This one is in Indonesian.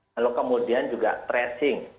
lalu kemudian juga tracing